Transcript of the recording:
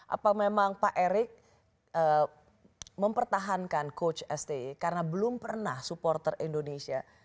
apa memang pak erick mempertahankan coach sti karena belum pernah supporter indonesia